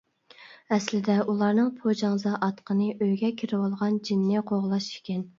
ئەسلىدە ئۇلارنىڭ پوجاڭزا ئاتقىنى ئۆيگە كىرىۋالغان جىننى قوغلاش ئىكەن.